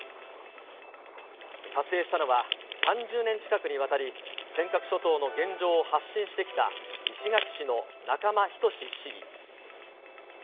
撮影したのは、３０年近くにわたり尖閣諸島の現状を発信してきた石垣市の仲間均市議。